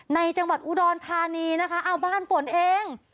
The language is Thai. ในจังหวัดอุดรธานีนะคะเอาบ้านฝนเอง